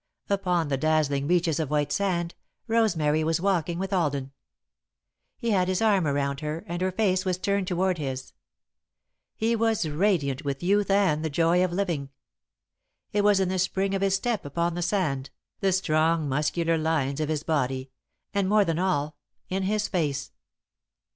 Upon the dazzling reaches of white sand, Rosemary was walking with Alden. He had his arm around her and her face was turned toward his. He was radiant with youth and the joy of living. It was in the spring of his step upon the sand, the strong, muscular lines of his body, and, more than all, in his face.